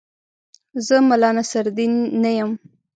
زه ملا نصرالدین نه یم.